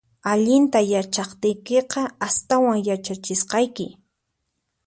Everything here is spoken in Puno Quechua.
Allinta yachaqtiykiqa, astawan yachachisqayki